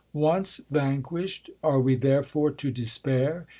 Once vanquish'd, are we therefore to despair